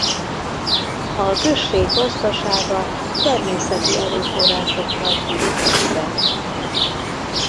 A község gazdasága természeti erőforrásokkal függ össze.